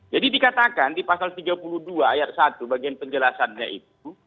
jadi dikatakan di pasal tiga puluh dua ayat satu bagian penjelasannya itu